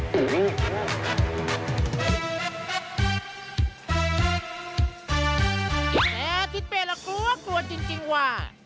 แททิตเป้ละกลัวจริงว่า